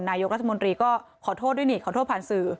นายกรัฐมนตรีก็ขอโทษด้วยนี่ขอโทษผ่านสื่อ